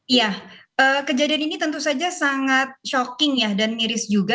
iya kejadian ini tentu saja sangat shocking ya dan miris juga